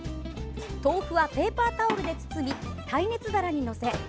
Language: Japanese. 豆腐はペーパータオルで包み耐熱皿に載せ